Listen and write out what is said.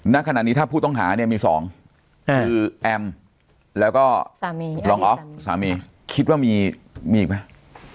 ณขณะนี้ถ้าผู้ต้องหาเนี่ยมี๒คือแอมแล้วก็สามีรองออฟสามีคิดว่ามีอีกไหม